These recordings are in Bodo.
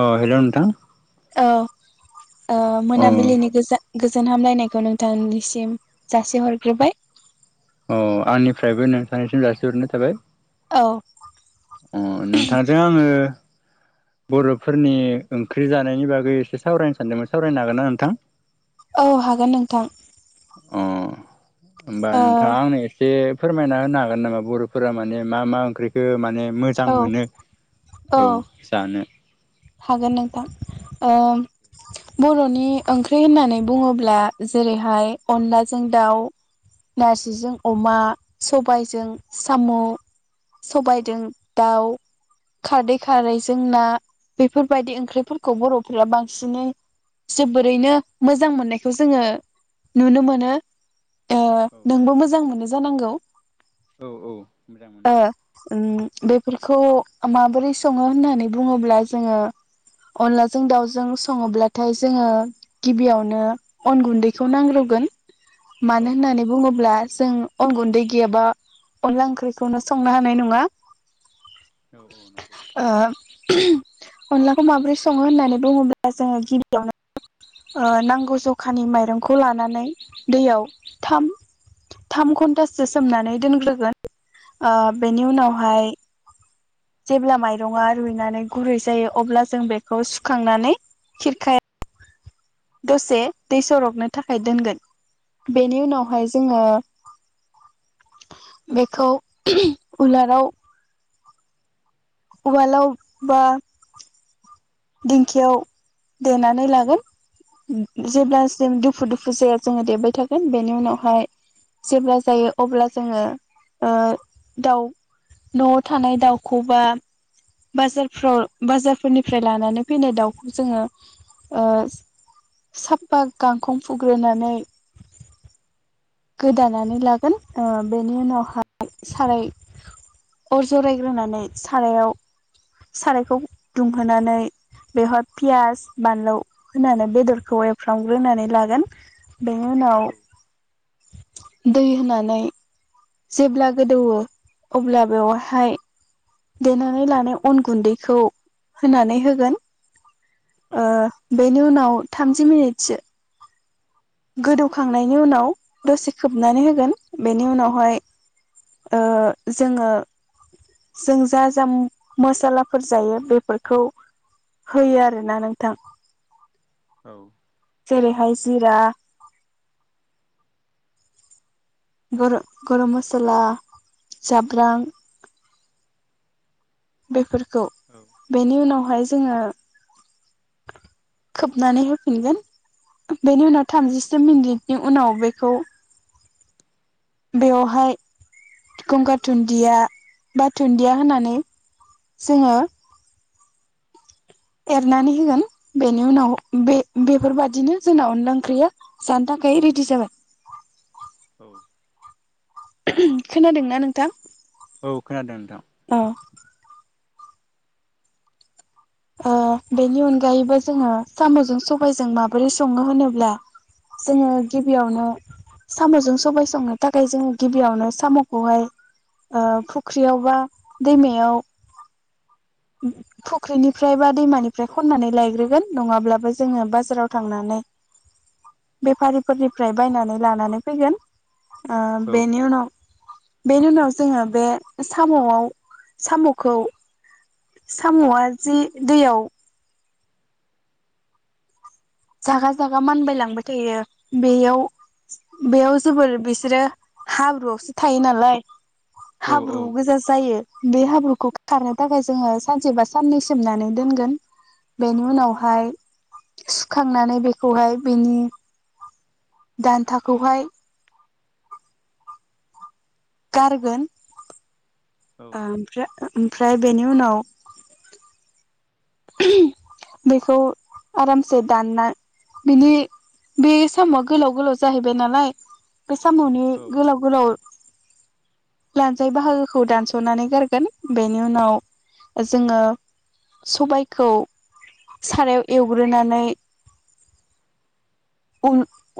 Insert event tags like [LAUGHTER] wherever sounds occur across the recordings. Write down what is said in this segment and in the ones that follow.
अ हेलौ नोंथां। औ। ओ अ मोनाबिलिनि गोजा- गोजोन जोन हामलायनायखौ नोंथांनिसिम जासिहरग्रोबाय अ आंनिफ्रायबो नोंथानिसिम जासिहरनाय थाबाय अ अ नोंथांजों आङो बर'फोरनि ओंख्रि जानायनि बागै एसे सावरायनो सानदोंमोन सावरायनो हागोन ना नोंथां? औ हागोन नोंथां अ होमबा ओ नोंथाङा आंनो एसे फोरमायना होनो हागोन नामा बर'फोरा माने मा मा ओंख्रिखौ माने मोजां औ मोनो औ [UNINTELLIGIBLE] हागोन नोंथां बर'नि ओंख्रि होननानै बुङोब्ला जेरैहाय अनलाजों दाउ नारजिजों अमा सबायजों साम' सबायजों दाउ खारदै खारै जोंना बेफोरबायदि ओंख्रिफोरखौ बर'फोरा बांसिनै जोबोरैनो मोजां मोननायखौ जोङो नुनो मोनो नोंबो मोजां मोनो जानांगौ। ओउ ओउ मोजां ओ मोनो बेफोरखौ माबोरै सङो होननानै बुङोब्ला जोङो अनलाजों दाउजों सङोब्लाथाय जोङो गिबियावनो अन गुन्दैखौ नांग्रोगोन औ मानो होननानै बुङोब्ला जों अन गुन्दै गैयाबा अनला ओंख्रिखौनो संनो हानाय नङा औ औ नंगौ ओ [INAUDIBLE] अनलाखौ माबोरै सङो होननानै बुङोब्ला जोङो गिबियावनो नांगौ जखानि माइरंखौ लानानै दैयाव थाम थाम घन्टासो सोमनानै दोनग्रोगोन बेनि औ उनावहाय जेब्ला माइरङा रुइनानै गुरै जायो अब्ला जों बेखौ सुखांनानै खिरखाया दसे दै सरगनो थाखाय दोनगोन बेनि औ उनावहाय जोङो बेखौ उह उलाराव उवालाव बा दिंखियाव देनानै लागोन। उम जेब्ला जों दुफु दुफु जाया जोङो देबाय थागोन बेनि उनावहाय जेब्ला जायो अब्ला जोङो दाव न'आव थानाय दाउखौ बा बाजारफ्राव बाजारफोरनिफ्राय लानानै फैनाय दाउखौ जोङो साफा गांखं फुग्रोनानै गोदानानै लागोन ओह बेनि औ उनावहाय साराय अर जरायग्रोनानै सारायाव सारायखौ दुंहोनानै बेवहाय पियास बानलौ होनानै बेदरखौ एवफ्रामग्रोनानै लागोन। बेनि उनाव औ दै होनानै जेब्ला गोदौओ अब्ला बेवहाय देनानै लानाय अन गुन्दैखौ होनानै होगोन औ ओ बेनि उनाव थामजि मिनिटसो गोदौखांनायनि उनाव दसे खोबनानै होगोन बेनि उनावहाय ओ जोङो जों जा जा मसालाफोर जायो बेफोरखौ होयो आरोना नोंथां। औ जेरै हाय जिरा गर-गरम मसला जाब्रां बेफोर खौ बेनि उनाव हाय जोङो खोबनानै होफिनगोन बेनि उनाव थामजिसे मिनिटनि उनाव बेखौ बेवहाय गंगार धुन्दिया बा धुन्दिया होनानै जोङो एरनानै होगोन बेनि उनाव बे बेफोरबादिनो जोंना अनला ओंख्रिया जानो थाखाय रेडि जाबाय। औ। खोनादोंना नोंथां? औ खोनादों नोंथां। औ अ बेनि अनगायैबो जोङो साम'जों सबायजों माबोरै सङो होनोब्ला जोङो गिबियावनो साम'जों सबाय संनो थाखाय जोङो गिबियावनो साम'खौहाय ओ फुख्रियाव बा दैमायाव फुख्रिनिफ्राय बा दैमानिफ्राय खननानै लायग्रोगोन नङाब्लाबो जोङो बाजाराव थांनानै बेफारिफोरनिफ्राय बायनानै लानानै फैगोन। आह औ बेनि उनाव बेनि उनाव जोङो बे साम'आव साम'खौ साम'आ जि दैयाव जागा जागा मानबाय लांबाय थायो बेयाव बेयाव जोबोर बिसोरो हाब्रुआवसो थायो नालाय। औ औ हाब्रु गोजा जायो। बे हाब्रुखौ खारनो थाखाय जोङो सानसेबा साननै सोमनानै दोनगोन। बेनि औ उनावहाय खांनानै बेखौहाय बिनि दान्थाखौहाय गारगोन औ ओम [UNINTELLIGIBLE] ओमफ्राय बेनि उनाव बेखौ आरामसे दानना बिनि बे साम'आ गोलाव गोलाव जाहैबाय नालाय बे साम'नि औ गोलाव गोलाव लानजाय बाहागोखौ दानस'नानै गारगोन बेनि उनाव जोङो सबायखौ सारायाव एवग्रोनानै उ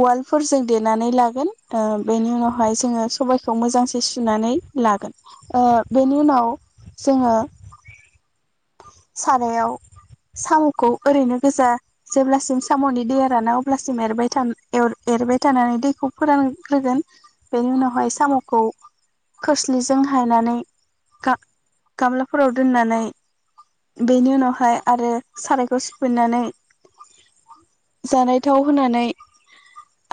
उवालफोरजों देनानै लागोन ओ बेनि उनावहाय जोङो सबायखौ मोजांसे सुनानै लागोन ओ बेनि उनाव जोङो सारायाव साम'खौ ओरैनो गोजा जेब्लासिम साम'नि दैया राना अ ब्लासिम एरबाय थान एर-एरबाय थानानै दैखौ फोरानग्रोगोन। बेनि उनावहाय औ साम'खौ खोरस्लिजों हायनानै गा-गामलाफोराव दोननानै बेनि उनावहाय आरो सारायखौ सुफिननानै जानाय थाव होनानै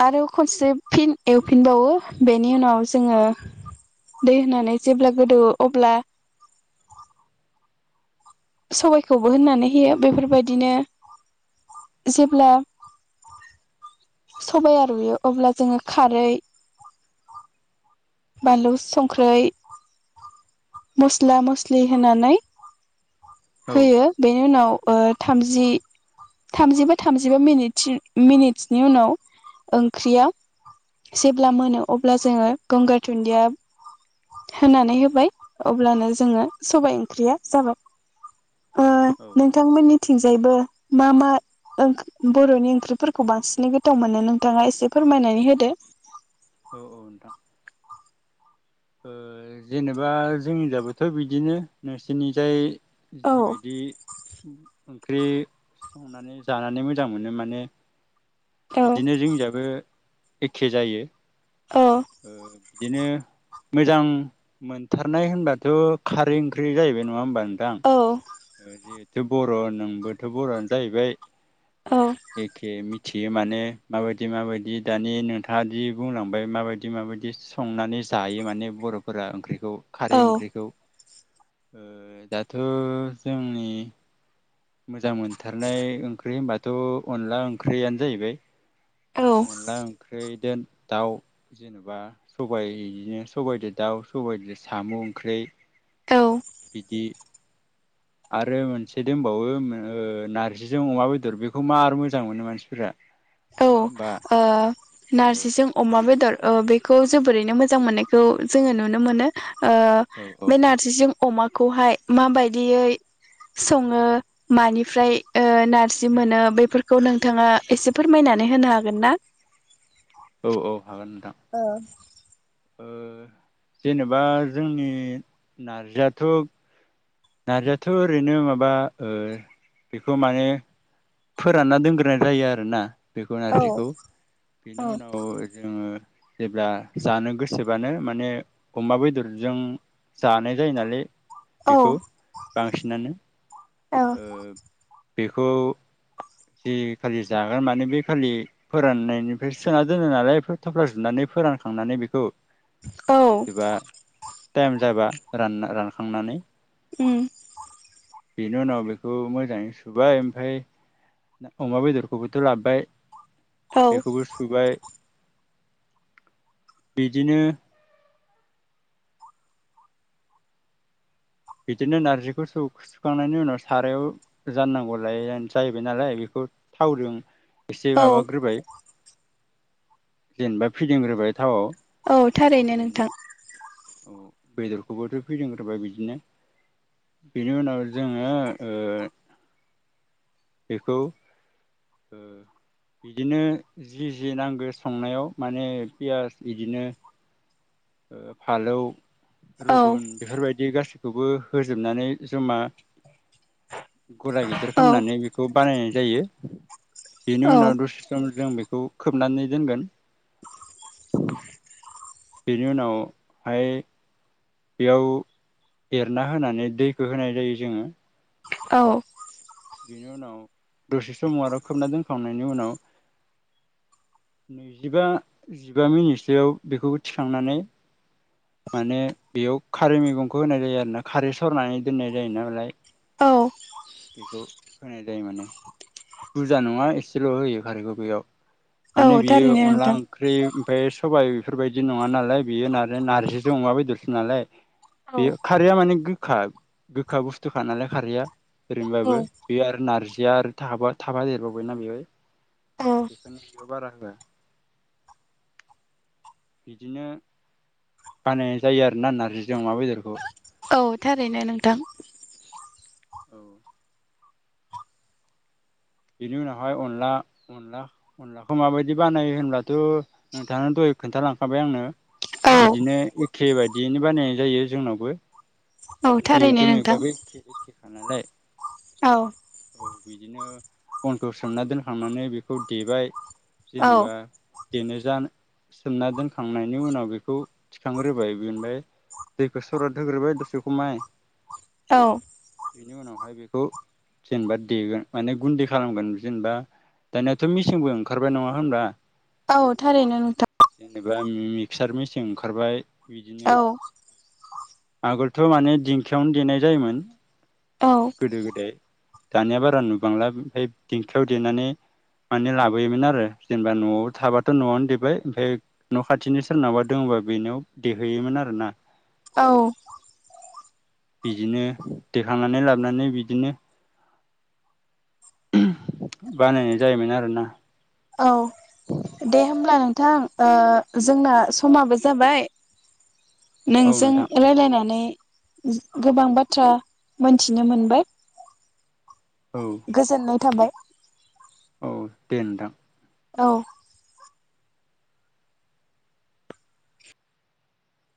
आरो खनसे फिन एवफिनबावो बेनि उनाव जोङो दै होनानै जेब्ला गोदौओ अब्ला सबायखौबो होनानै होयो बेफोरबायदिनो जेब्ला सबाया रुयो अब्ला जोङो खारै बानलु, संख्रै, मस्ला मस्लि होनानै औ होयो बेनि उनाव ओ थामजि थामजिबा थामजिबा मिनिस मिनिटसनि उनाव ओंख्रिया जेब्ला मोनो अब्ला जोङो गंगार दुन्दिया होनानै होबाय अब्लानो जोङो सबाइ ओंख्रिया जाबाय। औ ओ नोंथांमोननि थिंजायबो मा मा ओं बर'नि ओंख्रिफोरखौ बांसिनै गोथाव मोननो नोंथाङा एसे फोरमायनानै होदो औ औ नोंथां ओ जेनेबा जोंनिजाबोथ' बिदिनो नोंसोरनि जाय औ जिबायदि ओंख्रि संनानै जानानै मोजां मोनो माने औ बिदिनो जोंनियाबो एखे जायो औ ओ बिदिनो मोजां मोनथारनाय होनबाथ' खारै ओंख्रि जाहैबाय नङा होमबा नोंथां औ ओ जिहेथु बर' नोंबोथ' बर'आनो जाहैबाय औ एखे मि थियो माने माबायदि माबायदि दानि नोंथाङा जि बुंलांबाय माबायदि माबायदि संनानै जायो माने बर'फोरा ओंख्रि खौ खारै ओंख्रिखौ ओ दाथ' जोंनि मोजां मोनथारनाय ओंख्रि होनबाथ' अनला ओंख्रियानो जाहैबाय औ अनला ओंख्रि दोन दाउ जेनेबा सबायनो सबाइजों दाउ सबाइजों साम' ओंख्रि औ बिदि आरो मोनसे दोंबावो ओ नारजिजों अमा बेदर बेखौ मार मोजां मोनो मानसिफोरा औ नङा होमबा ओ नारजिजों अमा बेदर ओ बेखौ जोबोरैनो मोजां मोननायखौ जोङो नुनो मोनो। ओ ओ बे नारजिजों अमाखौहाय माबायदियै सङो मानिफ्राय ओ नारजि मोनो बेफोरखौ नोंथाङा एसे फोरमायनानै होनो हागोन ना? औ औ हागोन नोंथां औ ओ जेनेबा जोंनि नारजियाथ' नारजिआथ' ओरैनो माबा ओ बेखौ माने फोरानना दोनग्रोनाय जायो आरो ना बेखौ औ नारजिखौ बेनि उनाव जोङो जेब्ला जानो गोसोबानो माने अमा बेदरजों जानाय जायो नालाय बेखौ औ बांसिनानो औ ओ बेखौ जि खालि जागोन माने बे खालि फोराननायनिफ्राय सोना दोनो नालाय बे थफ्ला जुनानै फोरानखांनानै बेखौ औ बिदिबा टाइम जाबा रानना रानखांनानै उम बेनि उनाव बेखौ मोजाङै सुबाय ओमफ्राय अमा बेदरखौबोथ' लाबोबाय औ बेखौबो सुबाय बिदिनो बिदिनो नारजिखौ सौ सुखांनायनि उनाव सारायाव जाननांगौ लाय जाहैबाय नालाय बेखौ थावजों एसे औ माबाग्रोबाय जेनेबा फिदिंग्रोबाय थावआव औ थारैनो ओरैनो नोंथां औ बेदरखौबोथ' फैदिग्रोबाय बिदिनो बेनि उनाव जोङो ओ बेखौ ओ बिदिनो जि जि नांगो संनायाव माने पियास बिदिनो ओ फालौ औ रुगुन बेफोरबायदि गासै खौबो होजोबनानै जमा गला गिदिर औ खालामनानै बेखौ बानायनाय जायो बेनि औ उनाव दसे सम जों बेखौ खोबनानै दोनगोन [INAUDIBLE] बेनि उनावहाय बेयाव एरना होनानै दैखो होनाय जायो जोङो औ बेनि उनाव दसे समाव आरो खोबना दोनखांनायनि उनाव नैजिबा जिबा मिनिटसोआव बेखौबो थिखांनानै माने बेयाव खारै मैगंखौ होनाय जायो आरोना खारै सरनानै दोननाय जायो नालाय औ बेखौ होनाय जायो माने बुरजा नङा एसेल' होयो खारैखौ बेैयाव औ माने बियो थारैनो अनला नोंथां। ओंख्रि ओमफ्राय सबाइ बेफोरबायदि नङा नालाय बियो नानो नारजिजों अमा बेदरसो नालाय औ बेयो खारैया माने गो खा गोखा बुस्थुखा नालाय खारैया औ ओरैनोबाबो बे आरो नारजि जिया आरो थाब थाबा देरबावबायना बेयो औ बेखायनो बेङाव बारा होआ बिदिनो बानायनाय जायो आरोना नारजिजों अमा बेदरखौ। औ थारैनो नोंथां। औ बिनि उनावहाय अनला अनला अनलाखौ माबायदि बानायो होनब्लाथ' नोंथाङा दहाय खोन्थालांखाबाय आंनो औ बिदिनो एखे बायदियैनो बानायनाय जायो जोंनावबो। औ थारैनो जिहेथु नोंथां गैगंआबो एखे एखे खाना लाय औ औ बिदिनो अनखौ सोमना दोनखांनानै बेखौ देबाय। औ जेनेबा। देनो जा सोमना दोनखांनायनि उनाव बेखौ थिखांग्रोबाय बेनिफ्राय दैखौ सराद होग्रोबाय दसे खमाय। औ। बेनि उनावहाय बेखौ जेनेबा देगोन माने गुन्दै खालामगोन जेनेबा दानियाथ' मिसिंबो ओंखारबाय नङा होनबा। औ थारैनो नोंथां। जेनेबा मिक्सार मेचिं ओंखारबाय। बिदिनो। औ आगोलथ' माने दिंखियावनो देनाय जायोमोन। औ गोदो गोदाय। दानिया बारा नु बांला ओमफ्राय दिंखियाव देनानै माने लाबोयोमोन आरो जेनेबा न'आव थाबाथ' न'आवनो देबाय ओमफ्राय न' खाथिनि सोरनावबा दङबा बेनाव देहैयोमोन आरोना। औ। बिदिनो देखांनानै लाबोनानै बिदिनो। बानायनाय जायोमोन आरोना। औ दे होनब्ला नोंथां ओ जोंना समाबो जाबाय। औ नोंजों नोंथां रायलायनानै। गोबां बाथ्रा मोनथिनो मोनबाय। औ गोजोननाय थाबाय। औ दे नोंथां। औ।